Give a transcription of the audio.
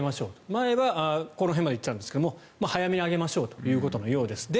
前はこの辺まで行っていましたが早めに上げましょうということのようです。